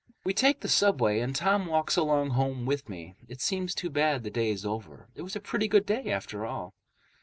We take the subway, and Tom walks along home with me. It seems too bad the day's over. It was a pretty good day, after all.